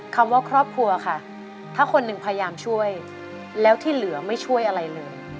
คำว่าครอบครัวค่ะถ้าคนหนึ่งพยายามช่วยแล้วที่เหลือไม่ช่วยอะไรเลย